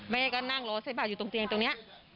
แม่ก็นั่งรอใส่บาทอยู่ตรงเตียงตรงนี้